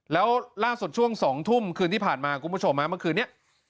แล้วล่าสุดช่วง๒ทุ่มคืนที่ผ่านมาคุณผู้ชมเมื่อคืนนี้